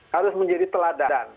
harus menjadi teladan